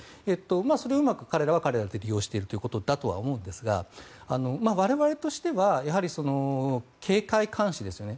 それをうまく彼らは彼らで利用しているということだとは思いますが我々としてはやはり警戒監視ですよね。